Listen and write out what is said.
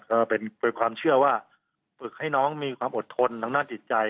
เอ่อเป็นความเชื่อว่าฝึกให้น้องมีความอดทนทางด้านจิตใจ